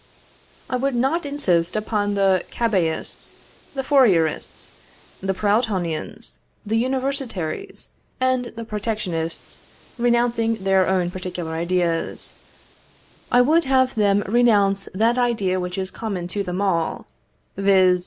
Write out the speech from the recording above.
I would not insist upon the Cabetists, the Fourierists, the Proudhonians, the Universitaries, and the Protectionists renouncing their own particular ideas; I would only have them renounce that idea which is common to them all, viz.